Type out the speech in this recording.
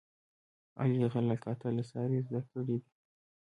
علي غله کاته له سارې زده کړي دي.